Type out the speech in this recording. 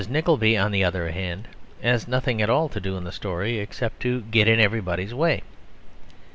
Nickleby, on the other hand, has nothing at all to do in the story, except to get in everybody's way.